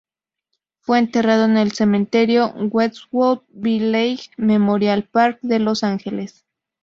Fue enterrado en el Cementerio Westwood Village Memorial Park de Los Ángeles.